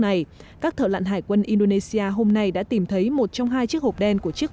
này các thợ lặn hải quân indonesia hôm nay đã tìm thấy một trong hai chiếc hộp đen của chiếc